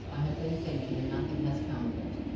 I have been thinking, and nothing has come of it.